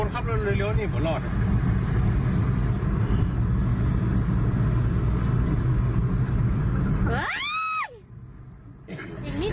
แป๊บเดียวคนขับเร็วเร็วเร็วนี่หมดรอด